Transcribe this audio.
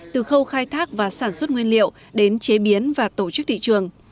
từ khâu khai thác và sản xuất nguyên liệu đến chế biến và tổ chức thị trường